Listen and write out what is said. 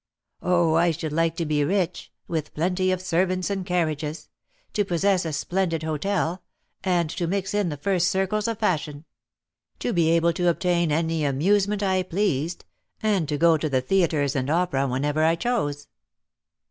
"Oh, I should like to be rich, with plenty of servants and carriages; to possess a splendid hôtel, and to mix in the first circles of fashion; to be able to obtain any amusement I pleased, and to go to the theatres and opera whenever I chose."